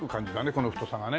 この太さがね。